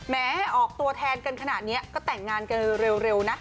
แม้ออกตัวแทนกันขนาดนี้ก็แต่งงานกันเร็วนะ